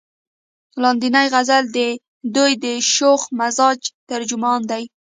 لاندينے غزل د دوي د شوخ مزاج ترجمان دے ۔